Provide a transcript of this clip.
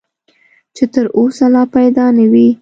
چې تر اوسه لا پیدا نه وي .